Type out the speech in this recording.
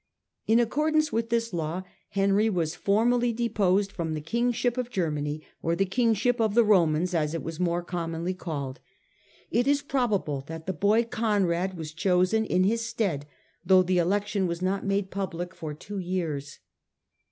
In accordance with this law Henry was formally deposed from the Kingship of Germany, or the Kingship of the Romans as it was more commonly called. It is probable that the boy Conrad was chosen in his stead, though the election was not made public for two years.